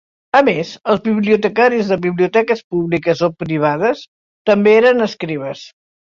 A més, els bibliotecaris de biblioteques públiques o privades també eren escribes.